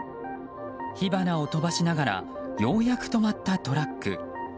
火花を飛ばしながらようやく止まったトラック。